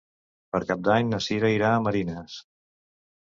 Per Cap d'Any na Cira irà a Marines.